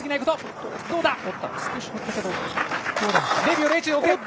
どうだ？